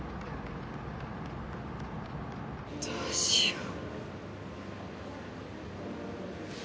どうしよう。